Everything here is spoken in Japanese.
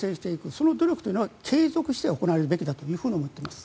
その努力は継続して行われるべきだと思っています。